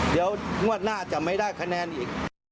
เดี๋ยวงวดหน้าจะไม่ได้คะแนนอีก